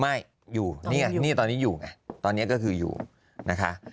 ไม่อยู่นี่ไงนี่ตอนนี้อยู่ไงตอนนี้ก็คืออยู่นะคะ